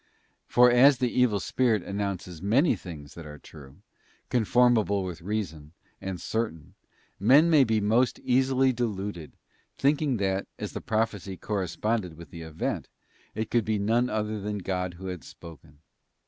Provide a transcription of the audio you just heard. For as the evil spirit announces many things that are true, conformable with reason, and certain, men may be most easily deluded, thinking that, as the prophecy corresponded with the event, it could be none other than God who had spoken.